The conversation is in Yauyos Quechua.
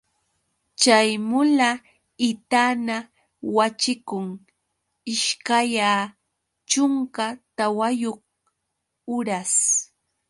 Chay mula itana waćhikun ishkaya chunka tawayuq uras.